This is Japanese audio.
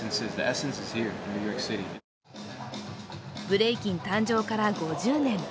ブレイキン誕生から５０年。